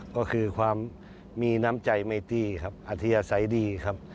ก็คือความมีน้ำใจไม่ตี้อธิษฐ์ใส่ดีครับ